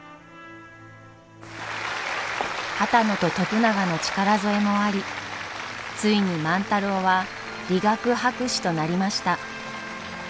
波多野と徳永の力添えもありついに万太郎は理学博士となりました。